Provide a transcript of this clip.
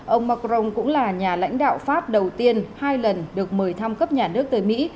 ông macron cũng là nhà lãnh đạo pháp đầu tiên hai lần được mời thăm cấp nhà nước tới mỹ